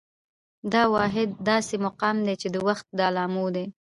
دا واحد داسې مقام دى، چې د وخت د علامو دى